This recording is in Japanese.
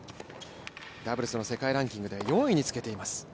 ダブルスの世界ランキングで４位につけています。